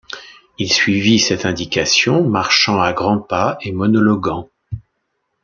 Il suivit cette indication, marchant à grands pas et monologuant.